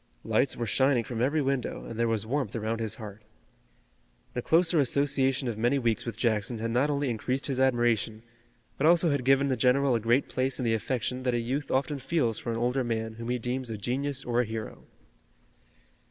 Lights were shining from every window, and there was warmth around his heart. The closer association of many weeks with Jackson had not only increased his admiration, but also had given the general a great place in the affection that a youth often feels for an older man whom he deems a genius or a hero.